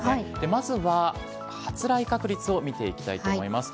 まずは発雷確率を見ていきたいと思います。